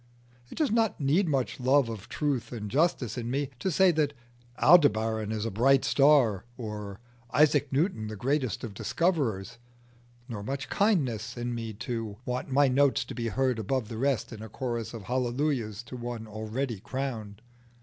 It does not need much love of truth and justice in me to say that Aldebaran is a bright star, or Isaac Newton the greatest of discoverers; nor much kindliness in me to want my notes to be heard above the rest in a chorus of hallelujahs to one already crowned.